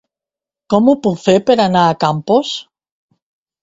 Com ho puc fer per anar a Campos?